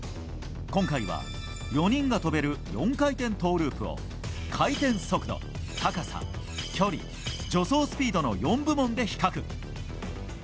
今回は４人が跳べる４回転トウループの回転速度、高さ、距離助走スピードの４部門で比較。